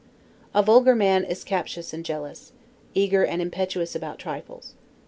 A vulgar man is captious and jealous; eager and impetuous about trifles.